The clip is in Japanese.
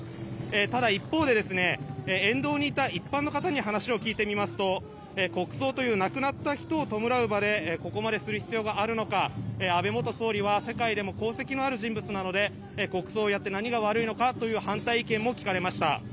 ただ、一方で沿道にいた一般の方に話を聞いてみますと国葬という亡くなった人を弔う場でここまでする必要があるのか安倍元総理は世界でも功績のある人物なので国葬をやって何が悪いのかという反対意見も聞かれました。